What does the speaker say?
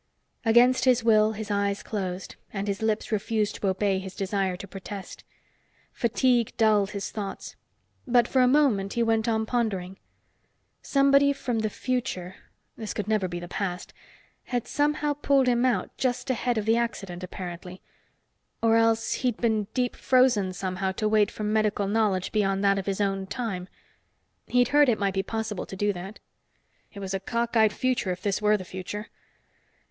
Against his will, his eyes closed, and his lips refused to obey his desire to protest. Fatigue dulled his thoughts. But for a moment, he went on pondering. Somebody from the future this could never be the past had somehow pulled him out just ahead of the accident, apparently; or else he'd been deep frozen somehow to wait for medical knowledge beyond that of his own time. He'd heard it might be possible to do that. It was a cockeyed future, if this were the future.